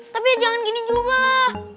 tapi ya jangan gini juga lah